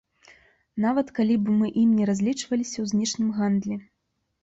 Нават калі б мы ім не разлічваліся ў знешнім гандлі.